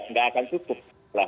nggak akan cukup